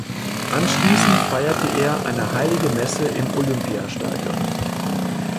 Anschließend feierte er eine Heilige Messe im Olympiastadion.